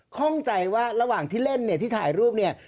ข้องใจว่าระหว่างที่เล่นเนี่ยที่ถ่ายรูปเนี่ย